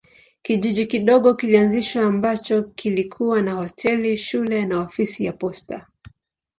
Kijiji kidogo kilianzishwa ambacho kilikuwa na hoteli, shule na ofisi ya posta.